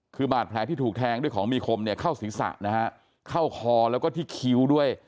คือบาดแผลที่ถูกแทงด้วยของมีคมเนี่ยเข้าศีรษะนะฮะเข้าคอแล้วก็ที่คิ้วด้วย